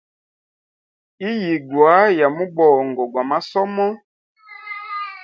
Iyigwa ya mubongo gwa masomo.